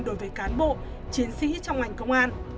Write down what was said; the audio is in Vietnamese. đối với cán bộ chiến sĩ trong ngành công an